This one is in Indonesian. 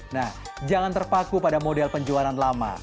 nah jangan terpaku pada model penjualan lama